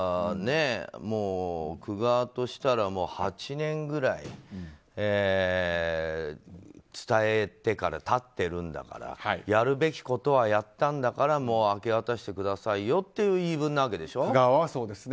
区側としたら８年ぐらい伝えてから経っているからやるべきことはやったんだからもう明け渡してくださいよという区側はそうですね。